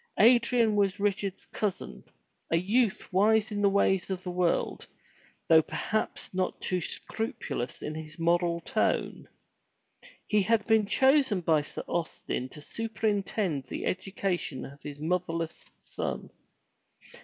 Adrian was Richard's cousin, a youth wise in the ways of the world, though perhaps not too scrupulous in his moral tone. He had been chosen by Sir Austin to superintend the education of his motherless son.